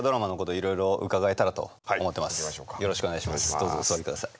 どうぞお座りください。